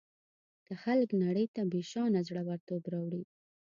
که خلک نړۍ ته بېشانه زړه ورتوب راوړي.